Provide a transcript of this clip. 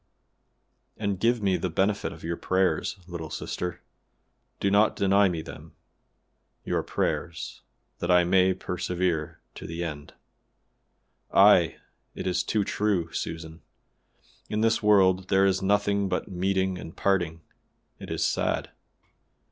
"And give me the benefit of your prayers, little sister, do not deny me them; your prayers, that I may persevere to the end. Ay! it is too true, Susan; in this world there is nothing but meeting and parting; it is sad.